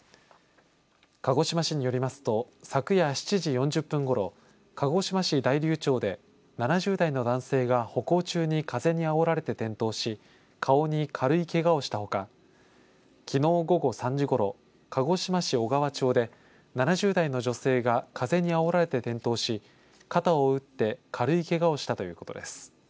鹿児島市によりますと昨夜７時４０分ごろ、鹿児島市大竜町で７０代の男性が歩行中に風にあおられて転倒し顔に軽いけがをしたほかきのう午後３時ごろ鹿児島市小川町で７０代の女性が風にあおられて転倒し肩を打って軽いけがをしたということです。